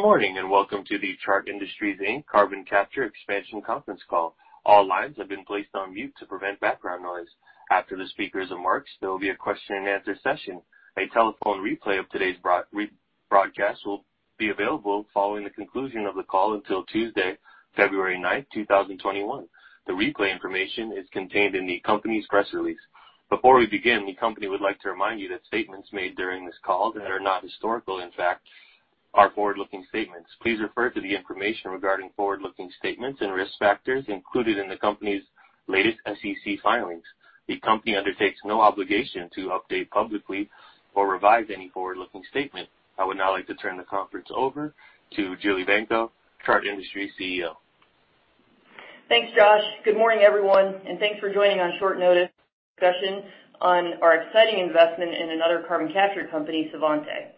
Good morning and welcome to the Chart Industries, Inc. Carbon Capture Expansion Conference Call. All lines have been placed on mute to prevent background noise. After the speakers' remarks, there will be a question-and-answer session. A telephone replay of today's broadcast will be available following the conclusion of the call until Tuesday, February 9, 2021. The replay information is contained in the company's press release. Before we begin, the company would like to remind you that statements made during this call that are not historical, in fact, are forward-looking statements. Please refer to the information regarding forward-looking statements and risk factors included in the company's latest SEC filings. The company undertakes no obligation to update publicly or revise any forward-looking statement. I would now like to turn the call over to Jillian Evanko, Chart Industries CEO. Thanks, Josh. Good morning, everyone, and thanks for joining on short notice for this discussion on our exciting investment in another carbon capture company, Svante.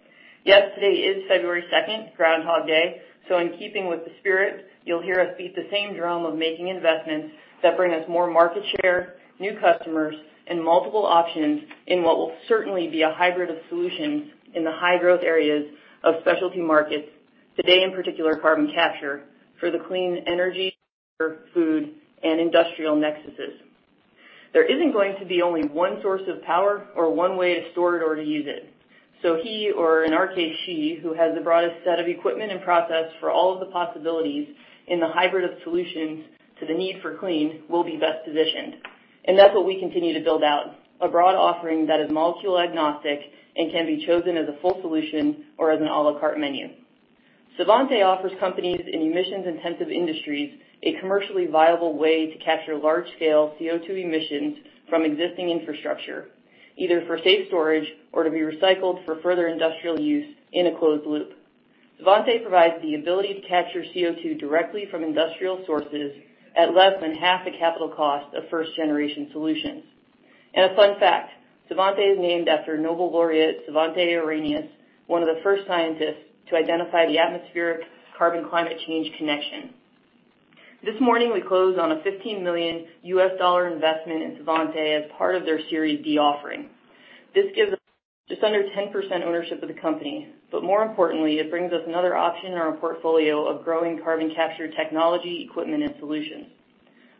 Yes, today is February 2nd, Groundhog Day, so in keeping with the spirit, you'll hear us beat the same drum of making investments that bring us more market share, new customers, and multiple options in what will certainly be a hybrid of solutions in the high-growth areas of specialty markets, today in particular carbon capture, for the clean energy, food, and industrial nexuses. There isn't going to be only one source of power or one way to store it or to use it. So he, or in our case she, who has the broadest set of equipment and process for all of the possibilities in the hybrid of solutions to the need for clean, will be best positioned. That's what we continue to build out: a broad offering that is molecule-agnostic and can be chosen as a full solution or as an à la carte menu. Svante offers companies in emissions-intensive industries a commercially viable way to capture large-scale CO2 emissions from existing infrastructure, either for safe storage or to be recycled for further industrial use in a closed loop. Svante provides the ability to capture CO2 directly from industrial sources at less than half the capital cost of first-generation solutions. And a fun fact: Svante is named after Nobel laureate Svante Arrhenius, one of the first scientists to identify the atmospheric-carbon climate change connection. This morning, we close on a $15 million investment in Svante as part of their Series D offering. This gives us just under 10% ownership of the company, but more importantly, it brings us another option in our portfolio of growing carbon capture technology, equipment, and solutions.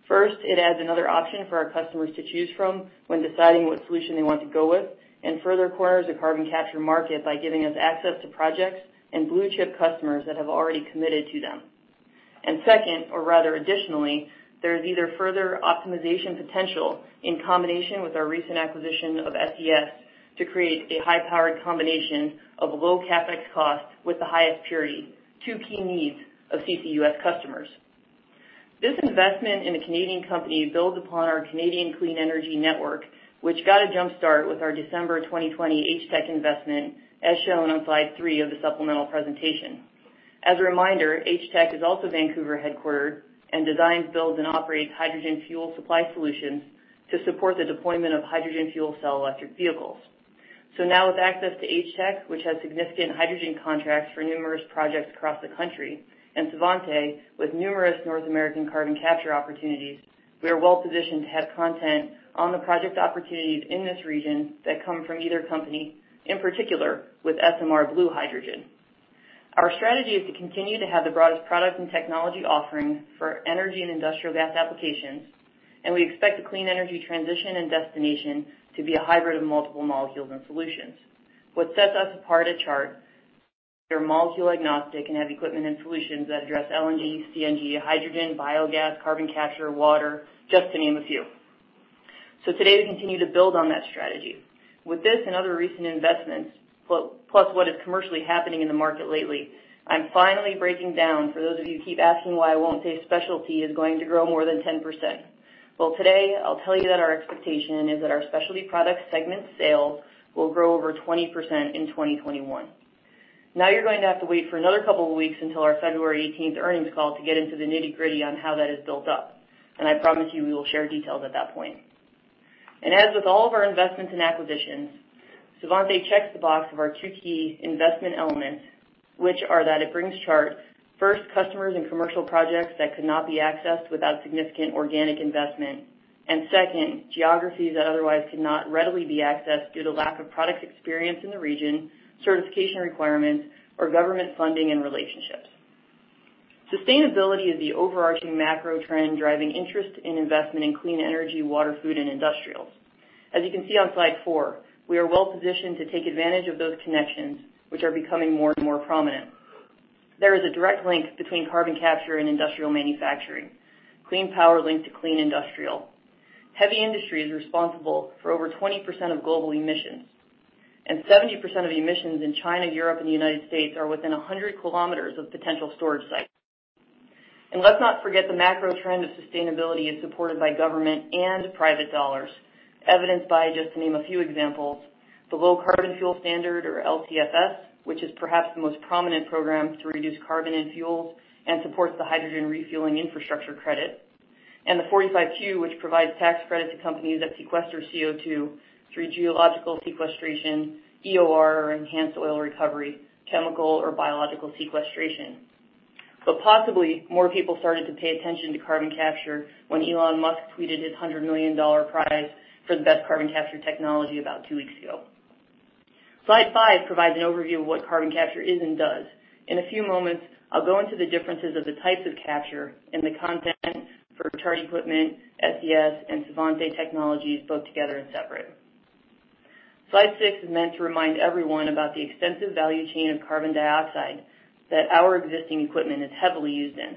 First, it adds another option for our customers to choose from when deciding what solution they want to go with, and further corners the carbon capture market by giving us access to projects and blue-chip customers that have already committed to them. And second, or rather additionally, there is either further optimization potential in combination with our recent acquisition of SES to create a high-powered combination of low CapEx cost with the highest purity, two key needs of CCUS customers. This investment in a Canadian company builds upon our Canadian clean energy network, which got a jump start with our December 2020 HTEC investment, as shown on slide three of the supplemental presentation. As a reminder, HTEC is also Vancouver-headquartered and designs, builds, and operates hydrogen fuel supply solutions to support the deployment of hydrogen fuel cell electric vehicles. So now, with access to HTEC, which has significant hydrogen contracts for numerous projects across the country, and Svante with numerous North American carbon capture opportunities, we are well positioned to have content on the project opportunities in this region that come from either company, in particular with SMR Blue Hydrogen. Our strategy is to continue to have the broadest product and technology offering for energy and industrial gas applications, and we expect the clean energy transition and destination to be a hybrid of multiple molecules and solutions. What sets us apart at Chart is that we are molecule-agnostic and have equipment and solutions that address LNG, CNG, hydrogen, biogas, carbon capture, water, just to name a few. Today, we continue to build on that strategy. With this and other recent investments, plus what is commercially happening in the market lately, I'm finally breaking down, for those of you who keep asking why I won't say specialty is going to grow more than 10%. Today, I'll tell you that our expectation is that our specialty product segment sales will grow over 20% in 2021. Now, you're going to have to wait for another couple of weeks until our February 18th earnings call to get into the nitty-gritty on how that is built up, and I promise you we will share details at that point. As with all of our investments and acquisitions, Svante checks the box of our two key investment elements, which are that it brings Chart first, customers and commercial projects that could not be accessed without significant organic investment, and second, geographies that otherwise could not readily be accessed due to lack of product experience in the region, certification requirements, or government funding and relationships. Sustainability is the overarching macro trend driving interest in investment in clean energy, water, food, and industrials. As you can see on slide four, we are well positioned to take advantage of those connections, which are becoming more and more prominent. There is a direct link between carbon capture and industrial manufacturing. Clean power linked to clean industrial. Heavy industry is responsible for over 20% of global emissions, and 70% of emissions in China, Europe, and the United States are within 100 kilometers of potential storage sites. And let's not forget the macro trend of sustainability is supported by government and private dollars, evidenced by, just to name a few examples, the Low Carbon Fuel Standard, or LCFS, which is perhaps the most prominent program to reduce carbon in fuels and supports the hydrogen refueling infrastructure credit, and the 45Q, which provides tax credit to companies that sequester CO2 through geological sequestration, EOR, or enhanced oil recovery, chemical or biological sequestration. But possibly, more people started to pay attention to carbon capture when Elon Musk tweeted his $100 million prize for the best carbon capture technology about two weeks ago. Slide five provides an overview of what carbon capture is and does. In a few moments, I'll go into the differences of the types of capture and the content for Chart Equipment, SES, and Svante Technologies both together and separate. Slide six is meant to remind everyone about the extensive value chain of carbon dioxide that our existing equipment is heavily used in.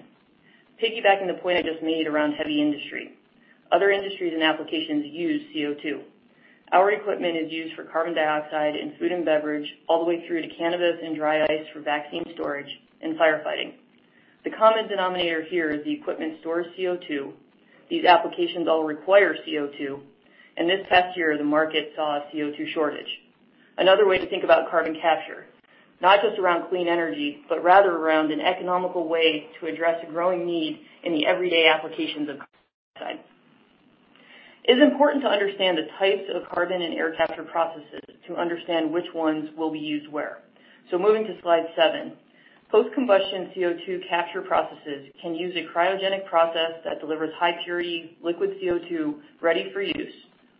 Piggybacking the point I just made around heavy industry, other industries and applications use CO2. Our equipment is used for carbon dioxide in food and beverage, all the way through to cannabis and dry ice for vaccine storage and firefighting. The common denominator here is the equipment stores CO2. These applications all require CO2, and this past year, the market saw a CO2 shortage. Another way to think about carbon capture, not just around clean energy, but rather around an economical way to address a growing need in the everyday applications of carbon dioxide, is important to understand the types of carbon and air capture processes to understand which ones will be used where. So, moving to slide seven, post-combustion CO2 capture processes can use a cryogenic process that delivers high-purity liquid CO2 ready for use,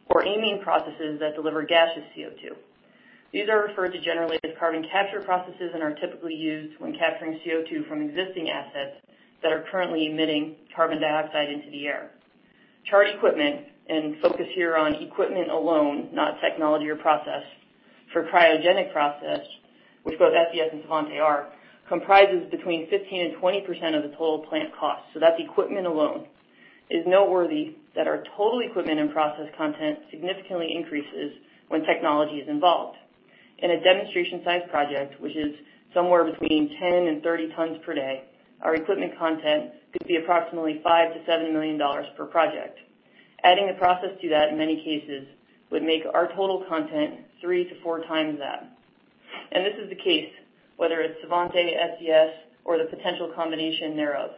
or amine processes that deliver gaseous CO2. These are referred to generally as carbon capture processes and are typically used when capturing CO2 from existing assets that are currently emitting carbon dioxide into the air. Chart Equipment, and focus here on equipment alone, not technology or process, for cryogenic process, which both SES and Svante are, comprises between 15%-20% of the total plant cost. So that's equipment alone. It is noteworthy that our total equipment and process content significantly increases when technology is involved. In a demonstration-sized project, which is somewhere between 10 and 30 tons per day, our equipment content could be approximately $5-$7 million per project. Adding the process to that, in many cases, would make our total content three to four times that, and this is the case, whether it's Svante, SES, or the potential combination thereof.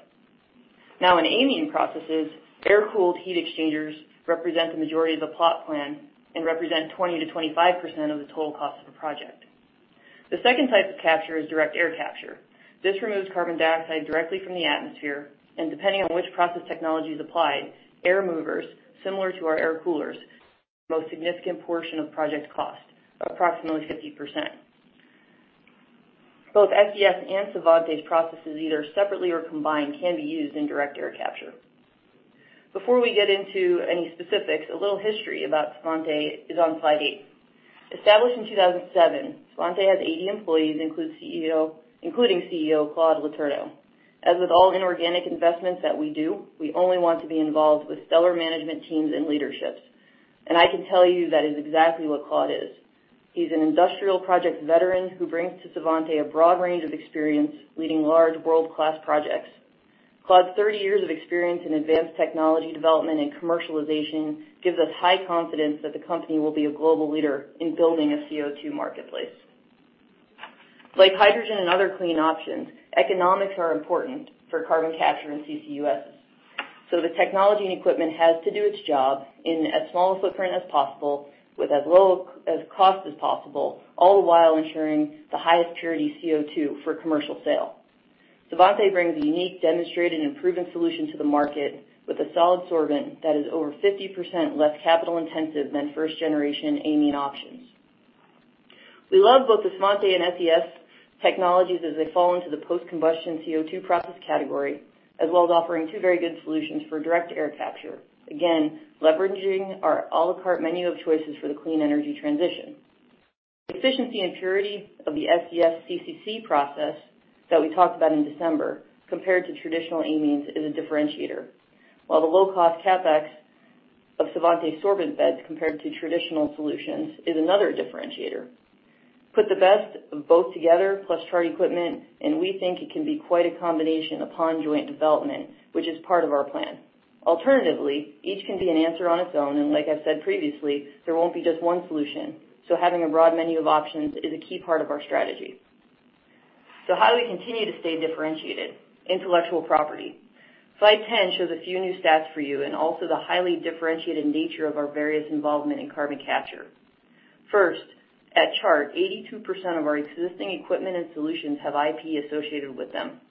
Now, in amine processes, air-cooled heat exchangers represent the majority of the plot plan and represent 20%-25% of the total cost of a project. The second type of capture is direct air capture. This removes carbon dioxide directly from the atmosphere, and depending on which process technology is applied, air movers, similar to our air coolers, are the most significant portion of project cost, approximately 50%. Both SES and Svante's processes, either separately or combined, can be used in direct air capture. Before we get into any specifics, a little history about Svante is on slide eight. Established in 2007, Svante has 80 employees, including CEO Claude Letourneau. As with all inorganic investments that we do, we only want to be involved with stellar management teams and leaderships, and I can tell you that is exactly what Claude is. He's an industrial project veteran who brings to Svante a broad range of experience, leading large world-class projects. Claude's 30 years of experience in advanced technology development and commercialization gives us high confidence that the company will be a global leader in building a CO2 marketplace. Like hydrogen and other clean options, economics are important for carbon capture in CCUS. So the technology and equipment has to do its job in as small a footprint as possible, with as low a cost as possible, all the while ensuring the highest purity CO2 for commercial sale. Svante brings a unique, demonstrated, and proven solution to the market with a solid sorbent that is over 50% less capital-intensive than first-generation amine options. We love both the Svante and SES technologies as they fall into the post-combustion CO2 process category, as well as offering two very good solutions for direct air capture, again, leveraging our à la carte menu of choices for the clean energy transition. The efficiency and purity of the SES CCC process that we talked about in December, compared to traditional amines, is a differentiator, while the low-cost CapEx of Svante sorbent beds, compared to traditional solutions, is another differentiator. Put the best of both together, plus Chart Equipment, and we think it can be quite a combination upon joint development, which is part of our plan. Alternatively, each can be an answer on its own, and like I've said previously, there won't be just one solution. So having a broad menu of options is a key part of our strategy. So how do we continue to stay differentiated? Intellectual property. Slide 10 shows a few new stats for you and also the highly differentiated nature of our various involvement in carbon capture. First, at Chart, 82% of our existing equipment and solutions have IP associated with them.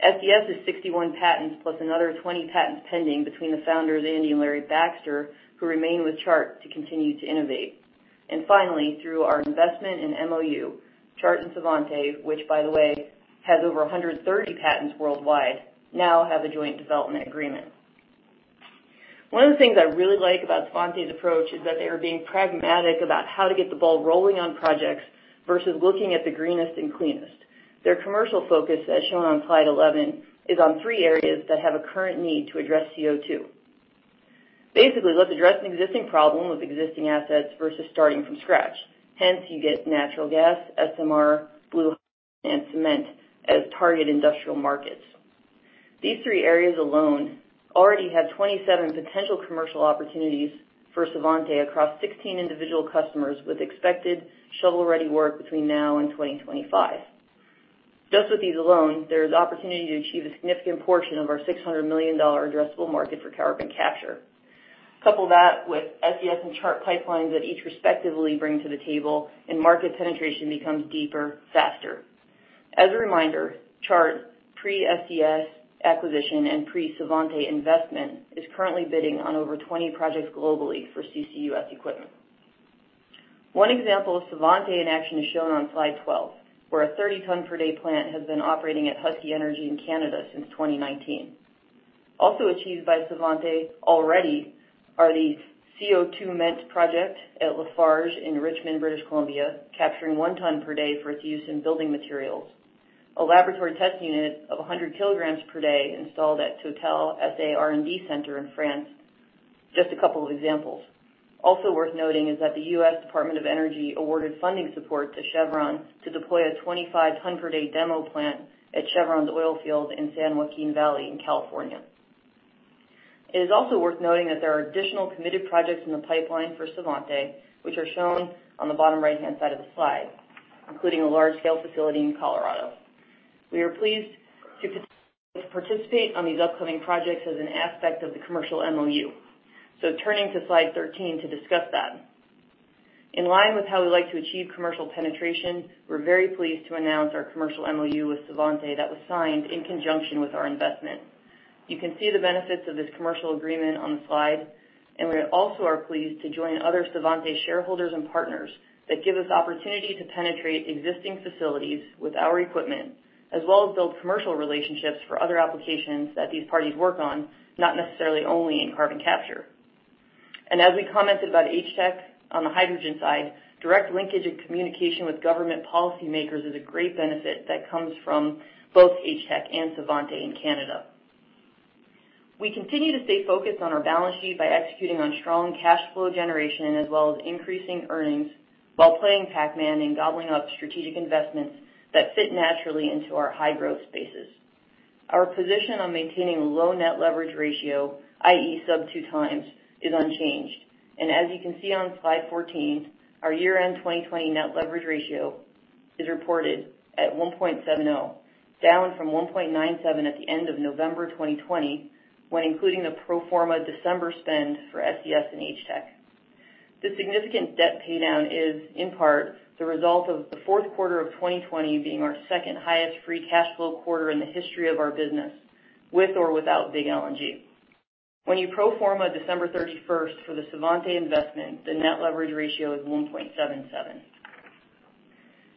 SES is 61 patents, plus another 20 patents pending between the founders, Andy and Larry Baxter, who remain with Chart to continue to innovate. Finally, through our investment and MOU, Chart and Svante, which, by the way, has over 130 patents worldwide, now have a joint development agreement. One of the things I really like about Svante's approach is that they are being pragmatic about how to get the ball rolling on projects versus looking at the greenest and cleanest. Their commercial focus, as shown on slide 11, is on three areas that have a current need to address CO2. Basically, let's address an existing problem with existing assets versus starting from scratch. Hence, you get natural gas, SMR, blue, and cement as target industrial markets. These three areas alone already have 27 potential commercial opportunities for Svante across 16 individual customers with expected shovel-ready work between now and 2025. Just with these alone, there is opportunity to achieve a significant portion of our $600 million addressable market for carbon capture. Couple that with SES and Chart pipelines that each respectively bring to the table, and market penetration becomes deeper, faster. As a reminder, Chart's pre-SES acquisition and pre-Svante investment is currently bidding on over 20 projects globally for CCUS equipment. One example of Svante in action is shown on slide 12, where a 30-ton per day plant has been operating at Husky Energy in Canada since 2019. Also achieved by Svante already are the CO2MENT project at Lafarge in Richmond, British Columbia, capturing 1 ton per day for its use in building materials, a laboratory test unit of 100 kilograms per day installed at Total S.A. R&D Center in France. Just a couple of examples. Also worth noting is that the U.S. Department of Energy awarded funding support to Chevron to deploy a 25-ton per day demo plant at Chevron's oil field in San Joaquin Valley in California. It is also worth noting that there are additional committed projects in the pipeline for Svante, which are shown on the bottom right-hand side of the slide, including a large-scale facility in Colorado. We are pleased to participate on these upcoming projects as an aspect of the commercial MOU, so turning to slide 13 to discuss that. In line with how we like to achieve commercial penetration, we're very pleased to announce our commercial MOU with Svante that was signed in conjunction with our investment. You can see the benefits of this commercial agreement on the slide, and we also are pleased to join other Svante shareholders and partners that give us the opportunity to penetrate existing facilities with our equipment, as well as build commercial relationships for other applications that these parties work on, not necessarily only in carbon capture. As we commented about HTEC on the hydrogen side, direct linkage and communication with government policymakers is a great benefit that comes from both HTEC and Svante in Canada. We continue to stay focused on our balance sheet by executing on strong cash flow generation, as well as increasing earnings while playing PAC-MAN and gobbling up strategic investments that fit naturally into our high-growth spaces. Our position on maintaining a low net leverage ratio, i.e., sub two times, is unchanged. As you can see on slide 14, our year-end 2020 net leverage ratio is reported at 1.70, down from 1.97 at the end of November 2020 when including the pro forma December spend for SES and HTEC. The significant debt paydown is, in part, the result of the fourth quarter of 2020 being our second highest free cash flow quarter in the history of our business, with or without big LNG. When you pro forma December 31st for the Svante investment, the net leverage ratio is 1.77.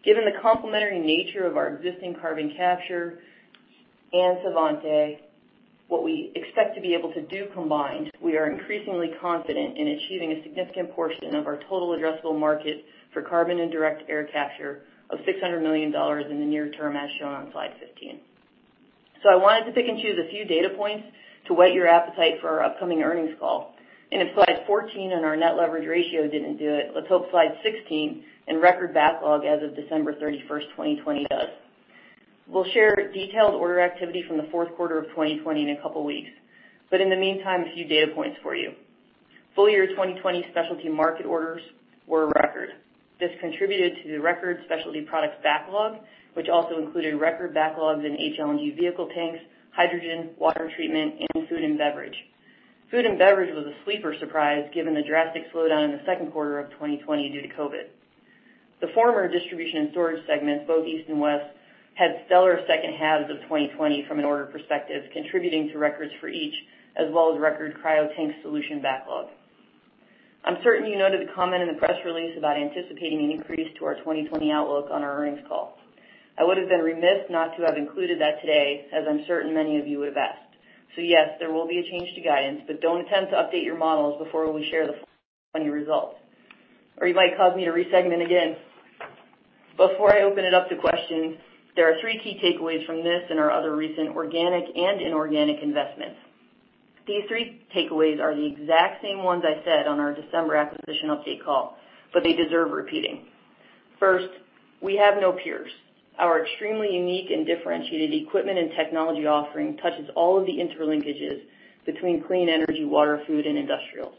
Given the complementary nature of our existing carbon capture and Svante, what we expect to be able to do combined, we are increasingly confident in achieving a significant portion of our total addressable market for carbon capture and direct air capture of $600 million in the near term, as shown on slide 15. So I wanted to pick and choose a few data points to whet your appetite for our upcoming earnings call, and if slide 14 on our net leverage ratio didn't do it, let's hope slide 16 and record backlog as of December 31st, 2020 does. We'll share detailed order activity from the fourth quarter of 2020 in a couple of weeks. But in the meantime, a few data points for you. Full year 2020 specialty market orders were a record. This contributed to the record specialty product backlog, which also included record backlogs in HLNG vehicle tanks, hydrogen, water treatment, and food and beverage. Food and beverage was a sleeper surprise given the drastic slowdown in the second quarter of 2020 due to COVID. The former Distribution and Storage segments, both east and west, had stellar second halves of 2020 from an order perspective, contributing to records for each, as well as record Cryo Tank Solutions backlog. I'm certain you noted the comment in the press release about anticipating an increase to our 2020 outlook on our earnings call. I would have been remiss not to have included that today, as I'm certain many of you would have asked. So yes, there will be a change to guidance, but don't attempt to update your models before we share the 2020 results. Or you might cause me to resegment again. Before I open it up to questions, there are three key takeaways from this and our other recent organic and inorganic investments. These three takeaways are the exact same ones I said on our December acquisition update call, but they deserve repeating. First, we have no peers. Our extremely unique and differentiated equipment and technology offering touches all of the interlinkages between clean energy, water, food, and industrials.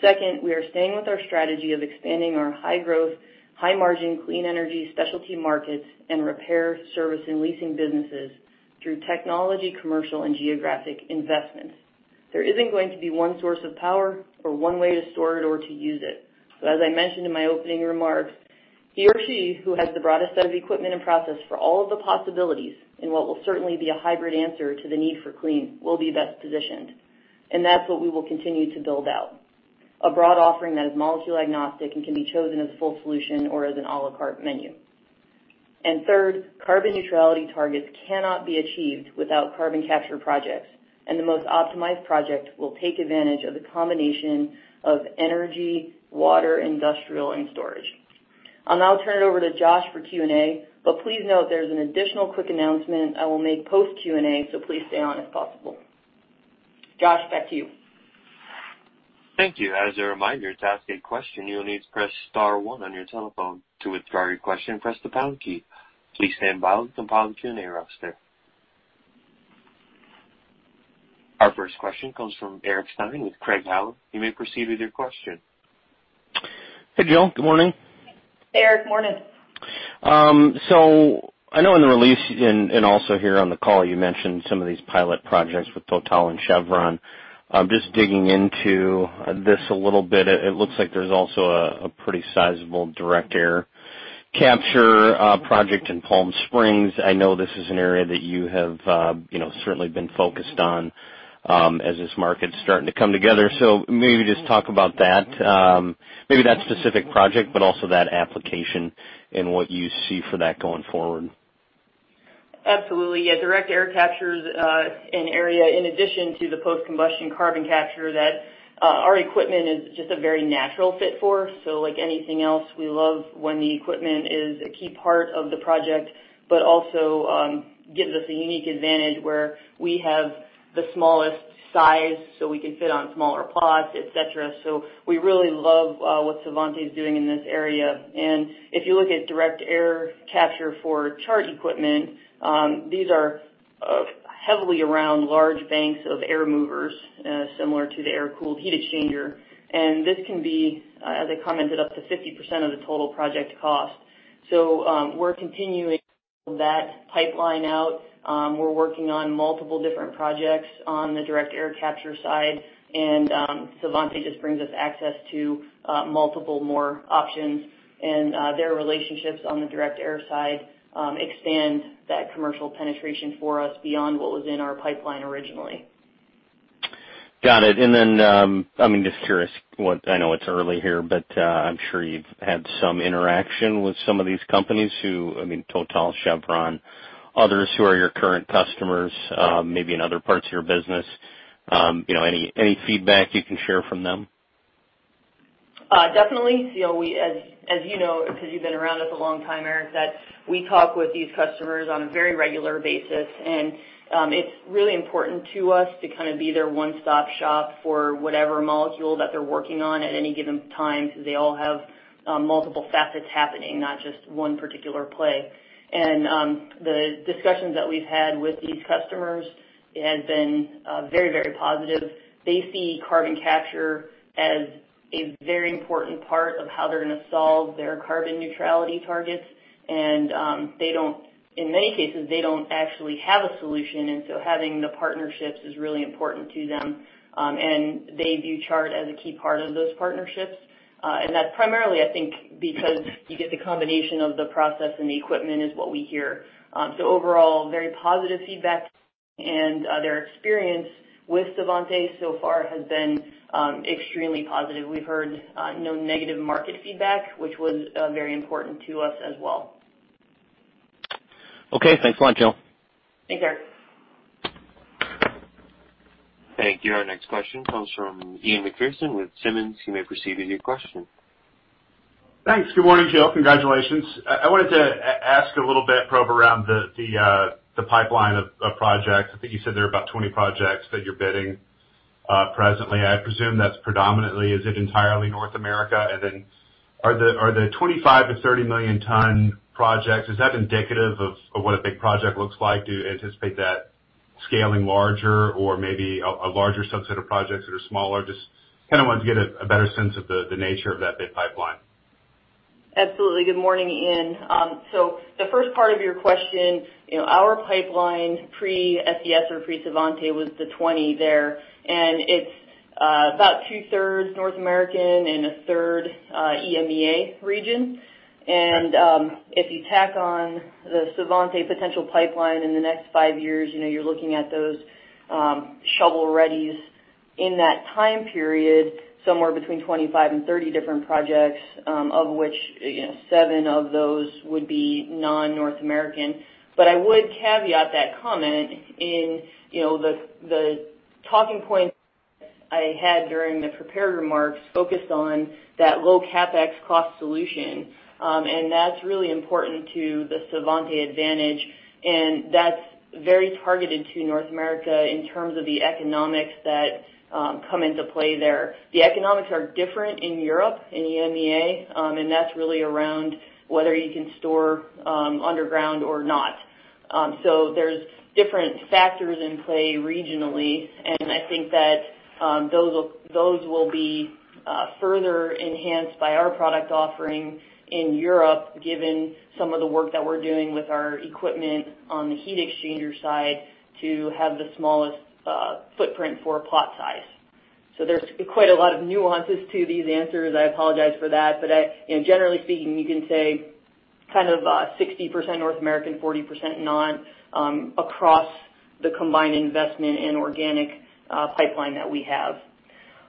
Second, we are staying with our strategy of expanding our high-growth, high-margin clean energy specialty markets and repair, service, and leasing businesses through technology, commercial, and geographic investments. There isn't going to be one source of power or one way to store it or to use it. So as I mentioned in my opening remarks, he or she who has the broadest set of equipment and process for all of the possibilities in what will certainly be a hybrid answer to the need for clean will be best positioned. And that's what we will continue to build out. A broad offering that is molecule agnostic and can be chosen as a full solution or as an à la carte menu. And third, carbon neutrality targets cannot be achieved without carbon capture projects, and the most optimized project will take advantage of the combination of energy, water, industrial, and storage. I'll now turn it over to Josh for Q&A, but please note there's an additional quick announcement I will make post-Q&A, so please stay on if possible. Josh, back to you. Thank you. As a reminder, to ask a question, you'll need to press star one on your telephone. To withdraw your question, press the pound key. Please stand by while we compile the Q&A roster. Our first question comes from Eric Stine with Craig-Hallum. You may proceed with your question. Hey, Joe. Good morning. Hey, Eric. Morning. So I know in the release and also here on the call, you mentioned some of these pilot projects with Total and Chevron. Just digging into this a little bit, it looks like there's also a pretty sizable direct air capture project in Palm Springs. I know this is an area that you have certainly been focused on as this market's starting to come together. So maybe just talk about that, maybe that specific project, but also that application and what you see for that going forward. Absolutely. Yeah. Direct air capture is an area in addition to the post-combustion carbon capture that our equipment is just a very natural fit for. So like anything else, we love when the equipment is a key part of the project, but also gives us a unique advantage where we have the smallest size so we can fit on smaller plots, etc. So we really love what Svante is doing in this area. And if you look at direct air capture for Chart equipment, these are heavily around large banks of air movers similar to the air-cooled heat exchanger. And this can be, as I commented, up to 50% of the total project cost. So we're continuing that pipeline out. We're working on multiple different projects on the direct air capture side, and Svante just brings us access to multiple more options. And their relationships on the direct air side expand that commercial penetration for us beyond what was in our pipeline originally. Got it. And then I'm just curious what I know it's early here, but I'm sure you've had some interaction with some of these companies who, I mean, Total, Chevron, others who are your current customers, maybe in other parts of your business. Any feedback you can share from them? Definitely. As you know, because you've been around us a long time, Eric, that we talk with these customers on a very regular basis. And it's really important to us to kind of be their one-stop shop for whatever molecule that they're working on at any given time because they all have multiple facets happening, not just one particular play. And the discussions that we've had with these customers have been very, very positive. They see carbon capture as a very important part of how they're going to solve their carbon neutrality targets. And in many cases, they don't actually have a solution. And so having the partnerships is really important to them. And they view Chart as a key part of those partnerships. And that's primarily, I think, because you get the combination of the process and the equipment is what we hear. So overall, very positive feedback. And their experience with Svante so far has been extremely positive. We've heard no negative market feedback, which was very important to us as well. Okay. Thanks a lot, Joe. Thanks, Eric. Thank you. Our next question comes from Ian MacPherson with Simmons. You may proceed with your question. Thanks. Good morning, Joe. Congratulations. I wanted to ask a little bit, probably around the pipeline of projects. I think you said there are about 20 projects that you're bidding presently. I presume that's predominantly. Is it entirely North America? And then are the 25-30 million ton projects, is that indicative of what a big project looks like? Do you anticipate that scaling larger or maybe a larger subset of projects that are smaller? Just kind of wanted to get a better sense of the nature of that big pipeline. Absolutely. Good morning, Ian. So the first part of your question, our pipeline pre-SES or pre-Svante was the 20 there. And it's about two-thirds North American and a third EMEA region. And if you tack on the Svante potential pipeline in the next five years, you're looking at those shovel-ready in that time period, somewhere between 25 and 30 different projects, of which seven of those would be non-North American. But I would caveat that comment in the talking points I had during the prepared remarks focused on that low CapEx cost solution. And that's really important to the Svante advantage. And that's very targeted to North America in terms of the economics that come into play there. The economics are different in Europe and EMEA, and that's really around whether you can store underground or not. So there's different factors in play regionally. And I think that those will be further enhanced by our product offering in Europe, given some of the work that we're doing with our equipment on the heat exchanger side to have the smallest footprint for plot size. So there's quite a lot of nuances to these answers. I apologize for that. But generally speaking, you can say kind of 60% North American, 40% non across the combined investment and organic pipeline that we have.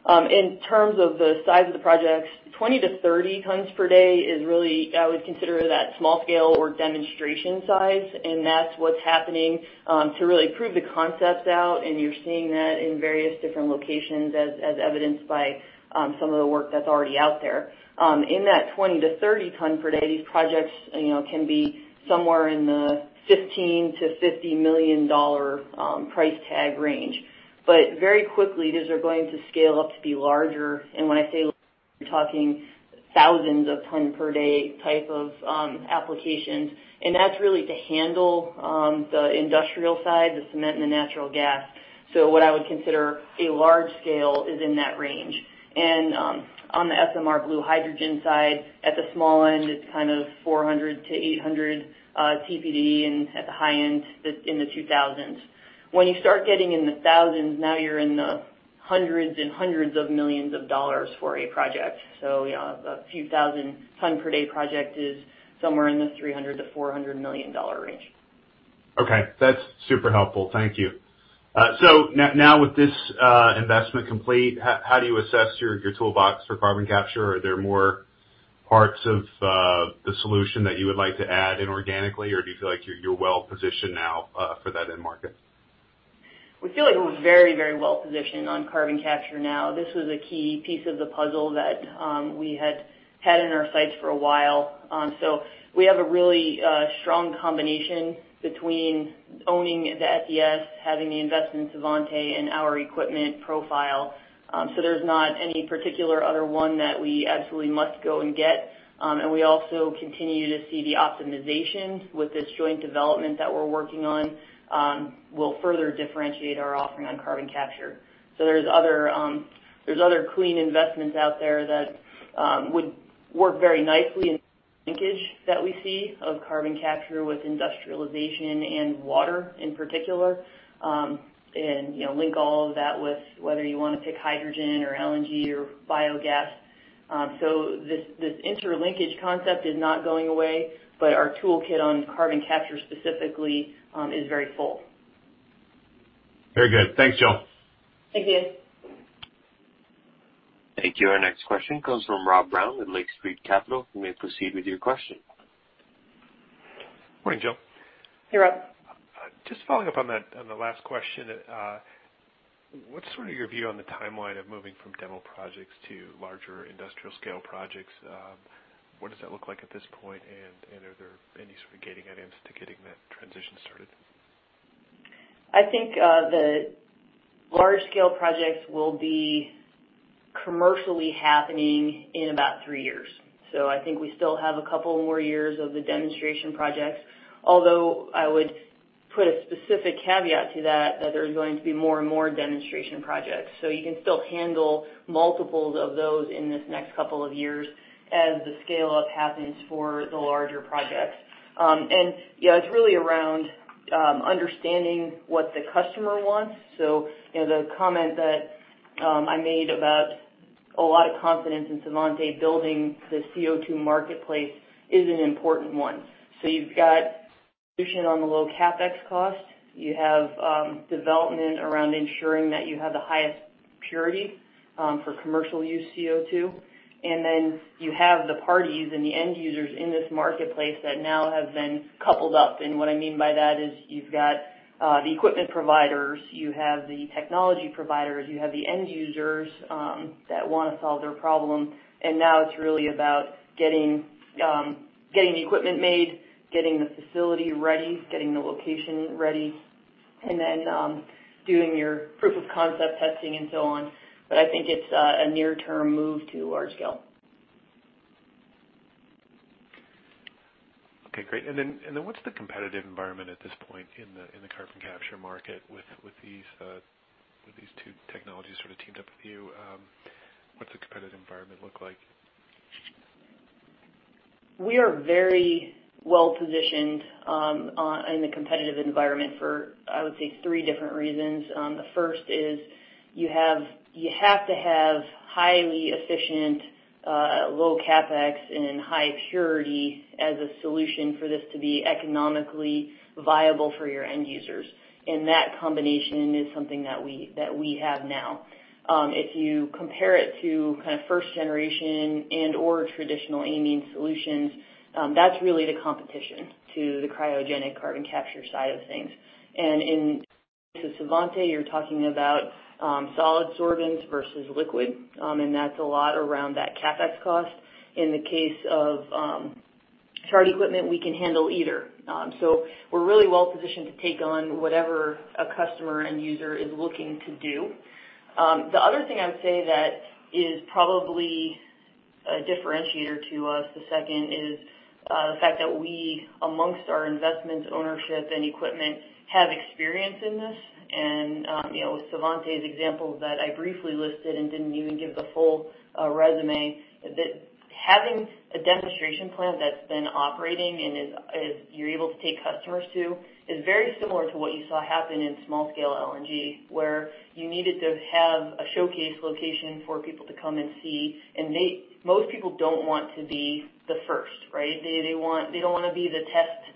In terms of the size of the projects, 20-30 tons per day is really. I would consider that small scale or demonstration size. That's what's happening to really prove the concepts out. You're seeing that in various different locations, as evidenced by some of the work that's already out there. In that 20-30 ton per day, these projects can be somewhere in the $15-$50 million price tag range. Very quickly, these are going to scale up to be larger. When I say larger, you're talking thousands of ton per day type of applications. That's really to handle the industrial side, the cement and the natural gas. What I would consider a large scale is in that range. On the SMR blue hydrogen side, at the small end, it's kind of 400 to 800 TPD, and at the high end, in the 2,000s. When you start getting in the thousands, now you're in the hundreds and hundreds of millions of dollars for a project. So a few thousand tons per day project is somewhere in the $300-$400 million range. Okay. That's super helpful. Thank you. So now with this investment complete, how do you assess your toolbox for carbon capture? Are there more parts of the solution that you would like to add in organically, or do you feel like you're well positioned now for that end market? We feel like we're very, very well positioned on carbon capture now. This was a key piece of the puzzle that we had had in our sights for a while. So we have a really strong combination between owning the SES, having the investment in Svante, and our equipment profile. So there's not any particular other one that we absolutely must go and get. And we also continue to see the optimizations with this joint development that we're working on will further differentiate our offering on carbon capture. So there's other clean investments out there that would work very nicely in the linkage that we see of carbon capture with industrialization and water in particular, and link all of that with whether you want to pick hydrogen or LNG or biogas. So this interlinkage concept is not going away, but our toolkit on carbon capture specifically is very full. Very good. Thanks, Joe. Thank you. Thank you. Our next question comes from Rob Brown with Lake Street Capital. You may proceed with your question. Morning, Joe. Hey, Rob. Just following up on the last question, what's sort of your view on the timeline of moving from demo projects to larger industrial scale projects? What does that look like at this point? And are there any sort of gating items to getting that transition started? I think the large scale projects will be commercially happening in about three years. So I think we still have a couple more years of the demonstration projects. Although I would put a specific caveat to that, that there's going to be more and more demonstration projects. So you can still handle multiples of those in this next couple of years as the scale-up happens for the larger projects. And it's really around understanding what the customer wants. So the comment that I made about a lot of confidence in Svante building the CO2 marketplace is an important one. So, you've got solution on the low CapEx cost. You have development around ensuring that you have the highest purity for commercial use CO2. And then you have the parties and the end users in this marketplace that now have been coupled up. And what I mean by that is you've got the equipment providers, you have the technology providers, you have the end users that want to solve their problem. And now it's really about getting the equipment made, getting the facility ready, getting the location ready, and then doing your proof of concept testing and so on. But I think it's a near-term move to large scale. Okay. Great. And then what's the competitive environment at this point in the carbon capture market with these two technologies sort of teamed up with you? What's the competitive environment look like? We are very well positioned in the competitive environment for, I would say, three different reasons. The first is you have to have highly efficient, low CapEx, and high purity as a solution for this to be economically viable for your end users. And that combination is something that we have now. If you compare it to kind of first generation and/or traditional amine solutions, that's really the competition to the cryogenic carbon capture side of things. And in the case of Svante, you're talking about solid sorbent versus liquid. And that's a lot around that CapEx cost. In the case of Chart equipment, we can handle either. So we're really well positioned to take on whatever a customer and user is looking to do. The other thing I would say that is probably a differentiator to us, the second, is the fact that we, amongst our investments, ownership, and equipment, have experience in this. And with Svante's example that I briefly listed and didn't even give the full resume, having a demonstration plant that's been operating and you're able to take customers to is very similar to what you saw happen in small scale LNG, where you needed to have a showcase location for people to come and see. And most people don't want to be the first, right? They don't want to be the test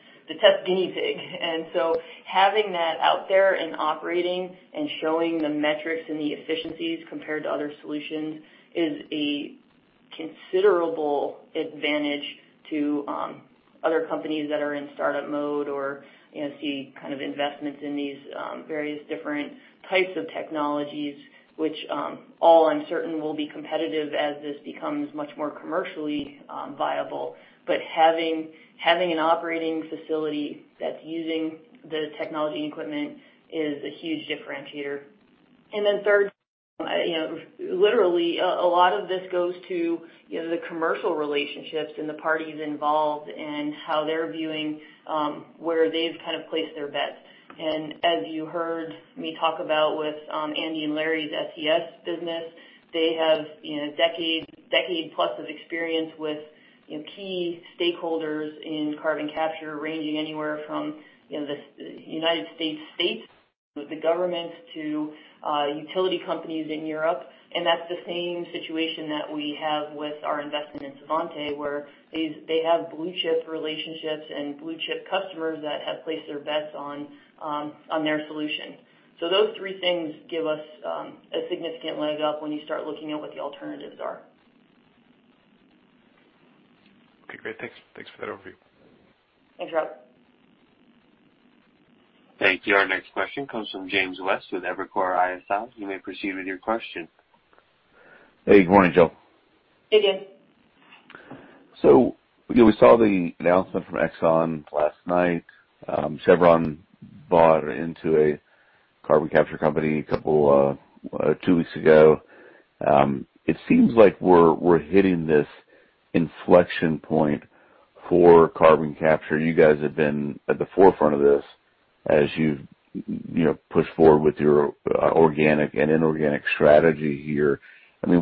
guinea pig. And so having that out there and operating and showing the metrics and the efficiencies compared to other solutions is a considerable advantage to other companies that are in startup mode or see kind of investments in these various different types of technologies, which all I'm certain will be competitive as this becomes much more commercially viable. But having an operating facility that's using the technology and equipment is a huge differentiator. And then third, literally, a lot of this goes to the commercial relationships and the parties involved and how they're viewing where they've kind of placed their bets. And as you heard me talk about with Andy and Larry's SES business, they have a decade-plus of experience with key stakeholders in carbon capture ranging anywhere from the United States, states, the governments, to utility companies in Europe. That's the same situation that we have with our investment in Svante, where they have blue chip relationships and blue chip customers that have placed their bets on their solution. So those three things give us a significant leg up when you start looking at what the alternatives are. Okay. Great. Thanks for that overview. Thanks, Rob. Thank you. Our next question comes from James West with Evercore ISI. You may proceed with your question. Hey. Good morning, Joe. Hey, James. So we saw the announcement from Exxon last night. Chevron bought into a carbon capture company a couple of two weeks ago. It seems like we're hitting this inflection point for carbon capture. You guys have been at the forefront of this as you push forward with your organic and inorganic strategy here. I mean,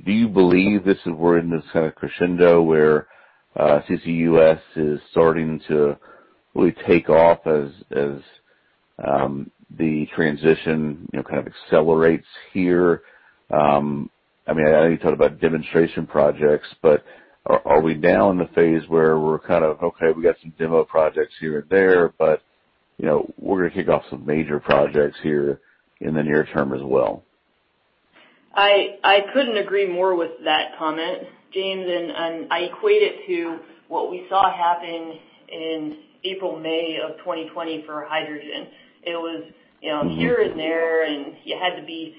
do you believe that we're in this kind of crescendo where CCUS is starting to really take off as the transition kind of accelerates here? I mean, I know you talked about demonstration projects, but are we now in the phase where we're kind of, "Okay, we got some demo projects here and there, but we're going to kick off some major projects here in the near term as well"? I couldn't agree more with that comment, James. And I equate it to what we saw happen in April, May of 2020 for hydrogen. It was here and there, and you had to be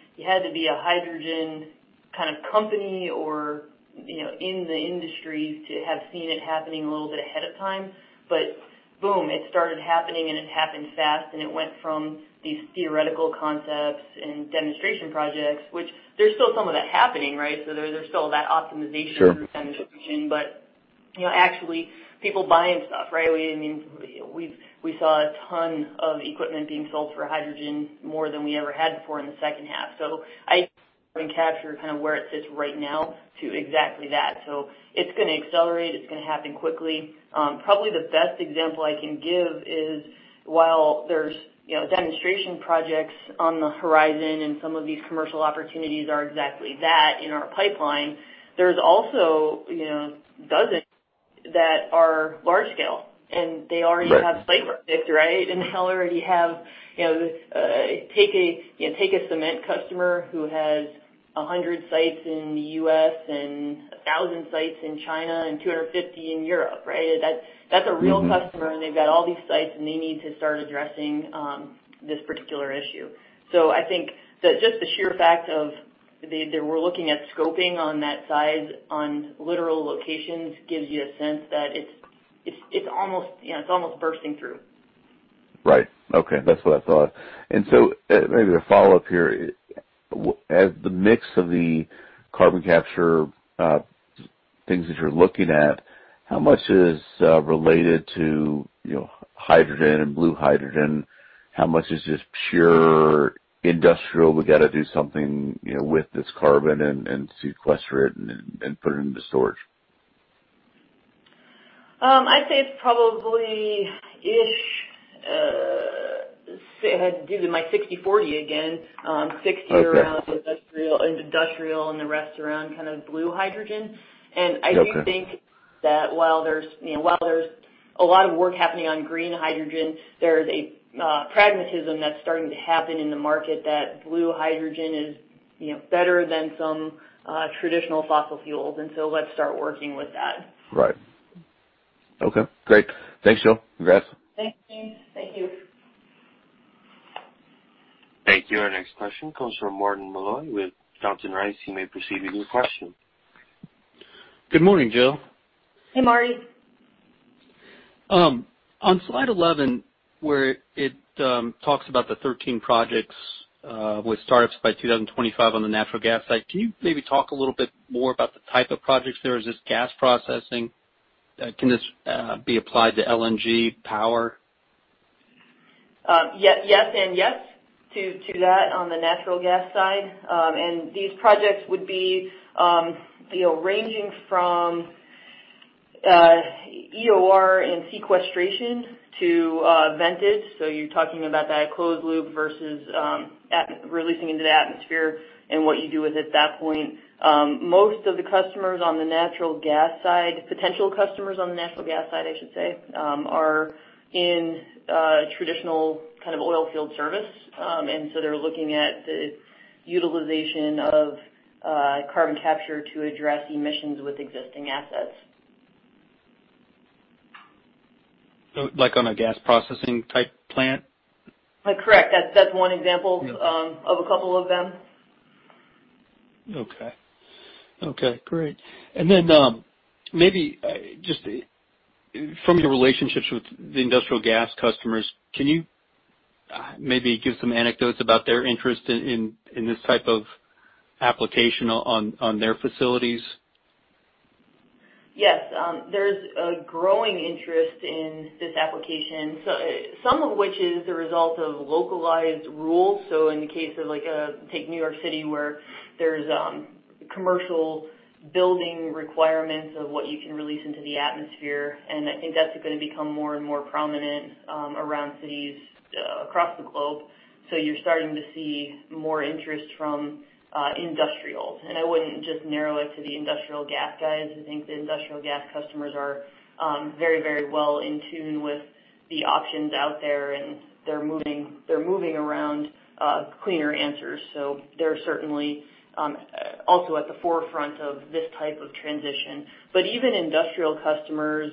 a hydrogen kind of company or in the industry to have seen it happening a little bit ahead of time. But boom, it started happening, and it happened fast. And it went from these theoretical concepts and demonstration projects, which there's still some of that happening, right? So there's still that optimization for demonstration. But actually, people buying stuff, right? I mean, we saw a ton of equipment being sold for hydrogen more than we ever had before in the second half. So I think carbon capture is kind of where it sits right now to exactly that. So it's going to accelerate. It's going to happen quickly. Probably the best example I can give is while there's demonstration projects on the horizon and some of these commercial opportunities are exactly that in our pipeline, there's also dozens that are large scale. And they already have sites picked, right? And they already have. Take a cement customer who has 100 sites in the U.S. and 1,000 sites in China and 250 in Europe, right? That's a real customer, and they've got all these sites, and they need to start addressing this particular issue. So I think that just the sheer fact of that we're looking at scoping on that size on literal locations gives you a sense that it's almost bursting through. Right. Okay. That's what I thought. And so maybe a follow-up here. As the mix of the carbon capture things that you're looking at, how much is related to hydrogen and blue hydrogen? How much is just pure industrial? We got to do something with this carbon and sequester it and put it into storage? I'd say it's probably-ish. This is my 60/40 again. 60 around industrial and the rest around kind of blue hydrogen. And I do think that while there's a lot of work happening on green hydrogen, there is a pragmatism that's starting to happen in the market that blue hydrogen is better than some traditional fossil fuels. And so let's start working with that. Right. Okay. Great. Thanks, Joe. Congrats. Thanks, James. Thank you. Thank you. Our next question comes from Martin Malloy with Johnson Rice. He may proceed with your question. Good morning, Joe. Hey, Marty. On slide 11, where it talks about the 13 projects with startups by 2025 on the natural gas side, can you maybe talk a little bit more about the type of projects there? Is this gas processing? Can this be applied to LNG power? Yes and yes to that on the natural gas side. And these projects would be ranging from EOR and sequestration to vented. So you're talking about that closed loop versus releasing into the atmosphere and what you do with it at that point. Most of the customers on the natural gas side, potential customers on the natural gas side, I should say, are in traditional kind of oil field service. And so they're looking at the utilization of carbon capture to address emissions with existing assets. So like on a gas processing type plant? Correct. That's one example of a couple of them. Okay. Okay. Great. And then maybe just from your relationships with the industrial gas customers, can you maybe give some anecdotes about their interest in this type of application on their facilities? Yes. There's a growing interest in this application, some of which is the result of localized rules. So in the case of, take New York City, where there's commercial building requirements of what you can release into the atmosphere. And I think that's going to become more and more prominent around cities across the globe. So you're starting to see more interest from industrials. And I wouldn't just narrow it to the industrial gas guys. I think the industrial gas customers are very, very well in tune with the options out there, and they're moving around cleaner answers. So they're certainly also at the forefront of this type of transition. But even industrial customers,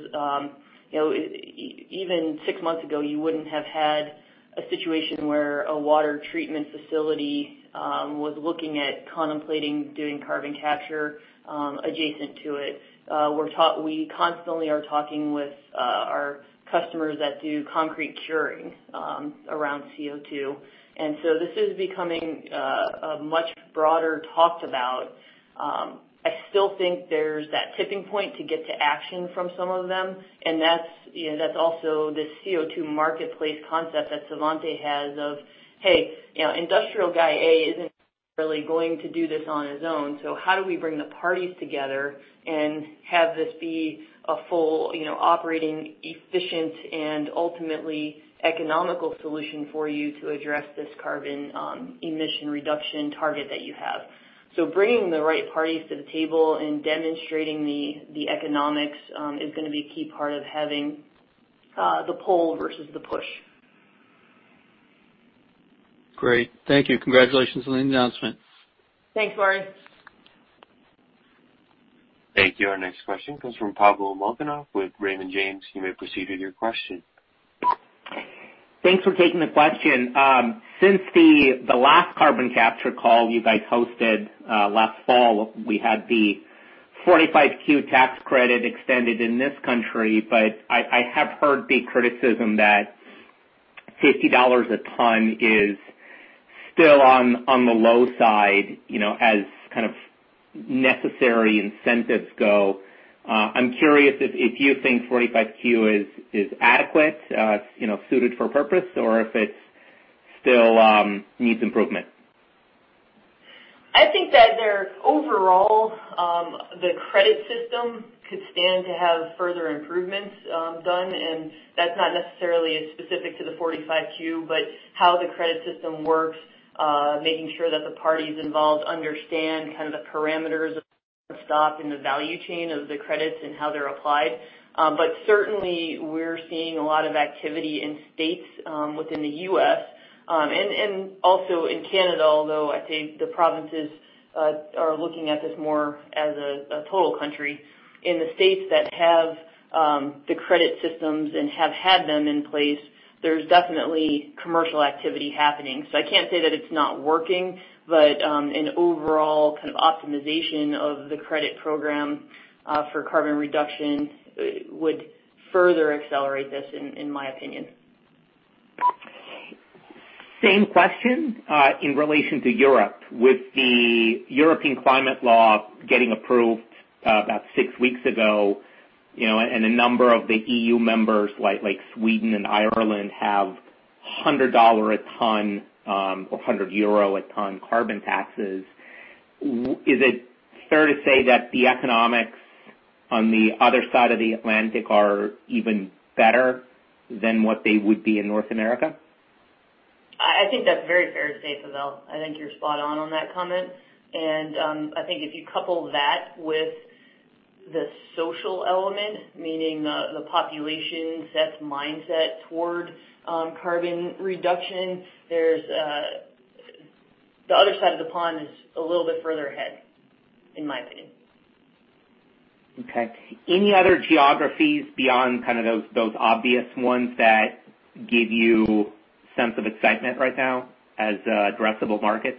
even six months ago, you wouldn't have had a situation where a water treatment facility was looking at contemplating doing carbon capture adjacent to it. We constantly are talking with our customers that do concrete curing around CO2. And so this is becoming a much broader talked about. I still think there's that tipping point to get to action from some of them, and that's also the CO2 marketplace concept that Svante has of, "Hey, industrial guy A isn't really going to do this on his own. So how do we bring the parties together and have this be a full operating, efficient, and ultimately economical solution for you to address this carbon emission reduction target that you have?" So bringing the right parties to the table and demonstrating the economics is going to be a key part of having the pull versus the push. Great. Thank you. Congratulations on the announcement. Thanks, Marty. Thank you. Our next question comes from Pavel Molchanov with Raymond James. You may proceed with your question. Thanks for taking the question. Since the last carbon capture call you guys hosted last fall, we had the 45Q tax credit extended in this country. But I have heard the criticism that $50 a ton is still on the low side as kind of necessary incentives go. I'm curious if you think 45Q is adequate, suited for purpose, or if it still needs improvement. I think that overall, the credit system could stand to have further improvements done. And that's not necessarily specific to the 45Q, but how the credit system works, making sure that the parties involved understand kind of the parameters of the scope and the value chain of the credits and how they're applied. But certainly, we're seeing a lot of activity in states within the U.S. and also in Canada, although I think the provinces are looking at this more as a total country. In the states that have the credit systems and have had them in place, there's definitely commercial activity happening. I can't say that it's not working, but an overall kind of optimization of the credit program for carbon reduction would further accelerate this, in my opinion. Same question in relation to Europe. With the European Climate Law getting approved about six weeks ago, and a number of the EU members like Sweden and Ireland have $100 a ton or 100 euro a ton carbon taxes, is it fair to say that the economics on the other side of the Atlantic are even better than what they would be in North America? I think that's very fair to say, Pavel. I think you're spot on that comment. And I think if you couple that with the social element, meaning the population's mindset toward carbon reduction, the other side of the pond is a little bit further ahead, in my opinion. Okay. Any other geographies beyond kind of those obvious ones that give you a sense of excitement right now as addressable markets?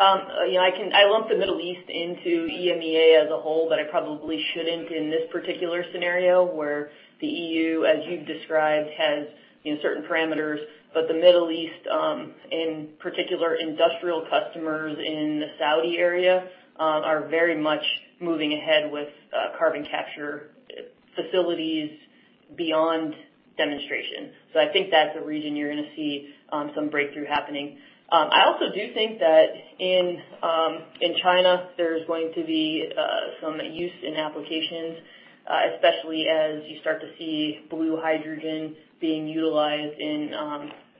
I lump the Middle East into EMEA as a whole, but I probably shouldn't in this particular scenario where the EU, as you've described, has certain parameters. But the Middle East, in particular, industrial customers in the Saudi area, are very much moving ahead with carbon capture facilities beyond demonstration. So I think that's a region you're going to see some breakthrough happening. I also do think that in China, there's going to be some use in applications, especially as you start to see Blue Hydrogen being utilized in